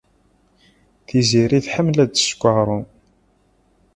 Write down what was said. Tiziri tḥemmel ad d-tesseww aɣrum.